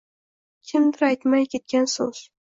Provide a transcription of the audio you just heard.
“Kimdir aytmay ketgan so‘z...”